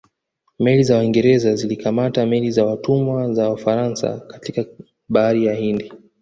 Meli za Waingereza zilikamata meli za watumwa za Wafaransa katika bahari ya Hindi